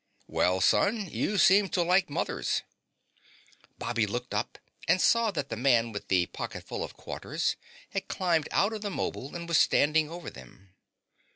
"Well, son, you seem to like mothers." Bobby looked up and saw that the Man with the Pocketful of Quarters had climbed out of the 'mobile and was standing over them.